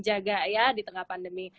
jaga ya di tengah pandemi